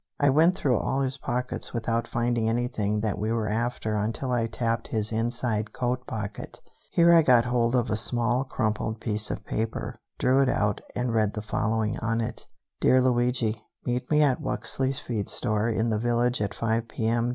I went through all his pockets without finding anything that we were after until I tapped his inside coat pocket. Here I got hold of a small crumpled piece of paper, drew it out and read the following on it: DEAR LUIGI: Meet me at Wuxley's feed store in the village at five p. m.